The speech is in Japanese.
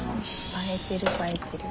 映えてる映えてる。